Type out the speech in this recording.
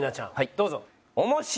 どうぞ。